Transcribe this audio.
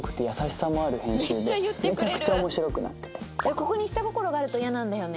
ここに下心があるとイヤなんだよね。